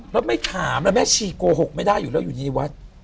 แล้วไม่ถามแล้วแม่ชีโกหกไม่ได้อยู่แล้วอยู่ในวัด